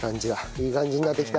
いい感じになってきた。